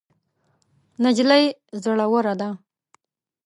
نجلۍ زړوره ده.